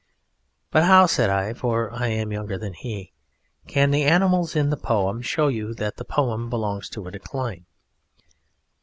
"But how," said I (for I am younger than he), "can the animals in the poem show you that the poem belongs to a decline?"